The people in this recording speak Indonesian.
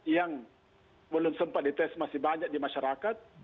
yang belum sempat dites masih banyak di masyarakat